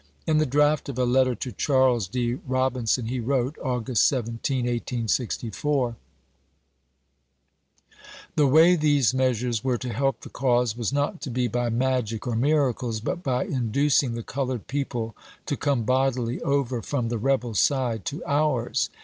In the draft of a letter to Charles D. Robinson he wrote, August 17, 1864: "The way these measures were to help the cause was not to be by magic or miracles, but by inducing the colored people to come bodily over from the rebel side to ours."